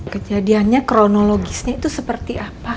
kejadiannya kronologisnya itu seperti apa